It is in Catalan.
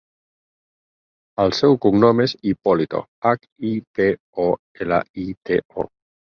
El seu cognom és Hipolito: hac, i, pe, o, ela, i, te, o.